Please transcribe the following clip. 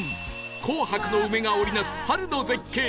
紅白の梅が織り成す春の絶景